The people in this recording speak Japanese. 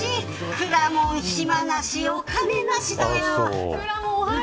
くらもん暇なしお金なしだよ。